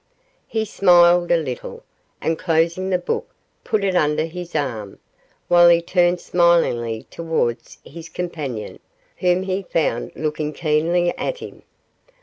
He smiled a little, and closing the book put it under his arm, while he turned smilingly towards his companion, whom he found looking keenly at him.